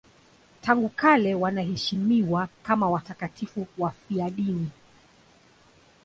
Tangu kale wanaheshimiwa kama watakatifu wafiadini.